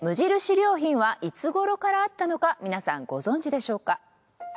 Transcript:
良品はいつ頃からあったのか皆さんご存じでしょうか？